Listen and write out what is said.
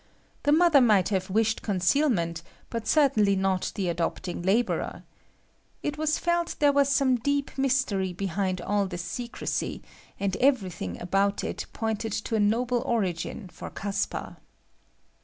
The mother might have wished concealment, but certainly not the adopting labourer. It was felt there was some deep mystery behind all this secrecy, and everything about it pointed to a noble origin for Caspar.